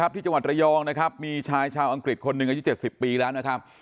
ที่จังหวัดระยองนะครับมีชายชาวอังกฤษคนหนึ่งอายุ๗๐ปีแล้วนะครับ